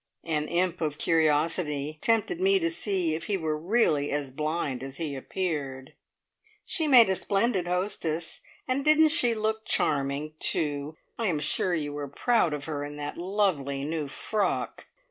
An imp of curiosity tempted me to see if he were really as blind as he appeared. "She made a splendid hostess. And didn't she look charming, too? I am sure you were proud of her in that lovely new frock!"